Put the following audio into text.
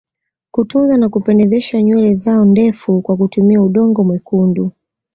Kutunza na kupendezesha nywele zao ndefu kwa kutumia udongo mwekundu